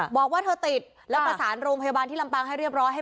บอกว่าเธอติดแล้วประสานโรงพยาบาลที่ลำปางให้เรียบร้อย